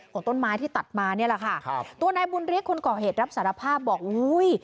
ของต้นไม้ที่ตัดมานี่แหละค่ะตัวนายบุญฤทธิ์ค่ะคนก่อเหตุรับสารภาพบอกอุ๊ย